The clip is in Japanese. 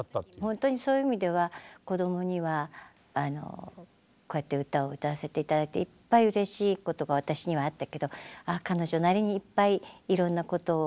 ほんとにそういう意味では子どもにはこうやって歌を歌わせて頂いていっぱいうれしいことが私にはあったけど彼女なりにいっぱいいろんなことを思いながら成長したんだなって。